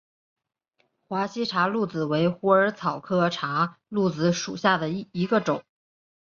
华西茶藨子为虎耳草科茶藨子属下的一个种。